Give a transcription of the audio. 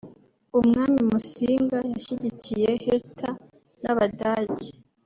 umwami Musinga yashyigikiye Hitler n’abadage